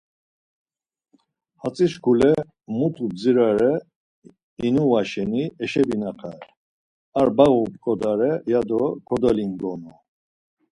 Hatzi şkule mutu bdzirare inuva şeni eşebinaxare, ar bağu p̌ǩodare ya do kodolingonu.